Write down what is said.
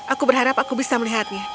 aku berharap aku bisa melihatnya